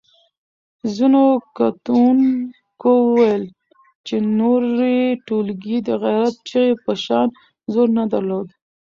ځینو کتونکو وویل چې نورې ټولګې د غیرت چغې په شان زور نه درلود.